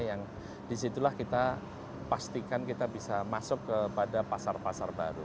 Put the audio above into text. yang disitulah kita pastikan kita bisa masuk kepada pasar pasar baru